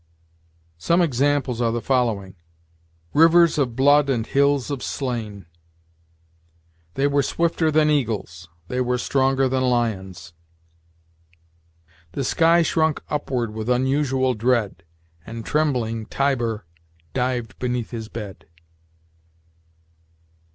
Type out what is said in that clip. Some examples are the following: "Rivers of blood and hills of slain." "They were swifter than eagles; they were stronger than lions." "The sky shrunk upward with unusual dread, And trembling Tiber div'd beneath his bed."